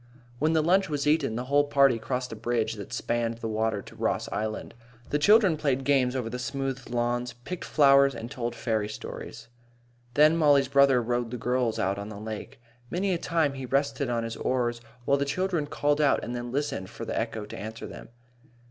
When the lunch was eaten, the whole party crossed a bridge that spanned the water to Ross Island. The children played games over the smooth lawns, picked flowers, and told fairy stories. Then Mollie's brother rowed the girls out on the lake. Many a time he rested on his oars while the children called out and then listened for the echo to answer them.